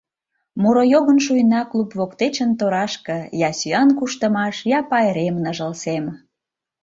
Муро йогын шуйна Клуб воктечын торашке: Я сӱан куштымаш, Я пайрем ныжыл сем.